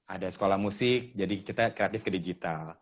ada sekolah musik jadi kita kreatif ke digital